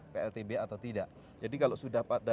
pltba atau tidak jadi kalau sudah pada